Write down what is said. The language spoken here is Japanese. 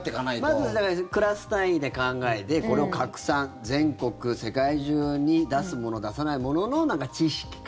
まず、クラス単位で考えてこれを拡散全国、世界中に出すもの、出さないものの知識か。